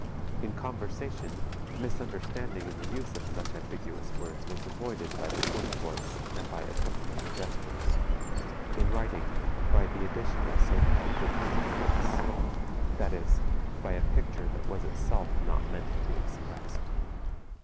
In conversation, misunderstanding in the use of such ambiguous words was avoided by the tone of voice and by accompanying gestures, in writing by the addition of so called determinatives, that is, by a picture that was itself not meant to be expressed.